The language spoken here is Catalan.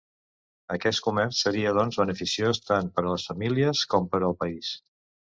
Aquest comerç seria, doncs, beneficiós tant per a les famílies com per al país.